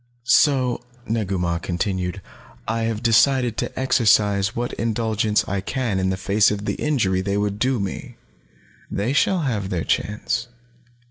"So," Negu Mah continued, "I have decided to exercise what indulgence I can in the face of the injury they would do me. They shall have their chance."